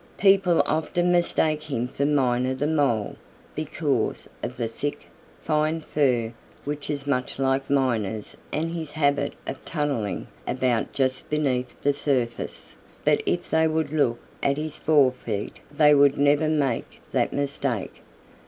People often mistake him for Miner the Mole, because of the thick, fine fur which is much like Miner's and his habit of tunneling about just beneath the surface, but if they would look at his fore feet they would never make that mistake.